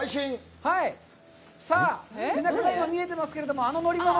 さあ、背中が今、見えてますけど、あの乗り物。